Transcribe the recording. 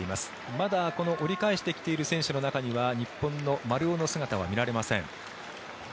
まだこの折り返してきている選手の中には日本の丸尾の姿は見られません。